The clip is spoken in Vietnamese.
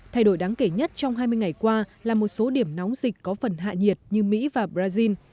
thay đổi đáng kể nhất trong hai mươi ngày qua là một số điểm nóng dịch có phần hạ nhiệt như mỹ và brazil